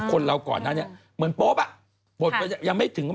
คนเราก่อนนั้นเนี่ยเหมือนโป๊บโป๊บไปยังไม่ถึง